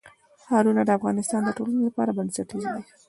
ښارونه د افغانستان د ټولنې لپاره بنسټیز دي.